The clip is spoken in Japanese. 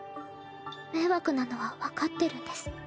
迷惑なのは分かってるんです。